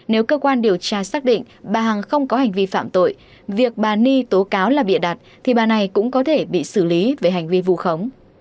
nếu cơ quan điều tra xác định bà hằng không có hành vi phạm tội việc bà ni tố cáo là bịa đặt thì bà này cũng có thể bị xử lý về hành vi vu khống